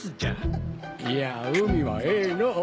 いやあ海はええのう。